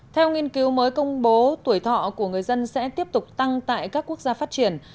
theo nghiên cứu mới công bố tuổi thọ của người dân sẽ tiếp tục tăng tại các quốc gia phát triển